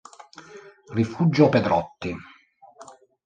Rifugio Pedrotti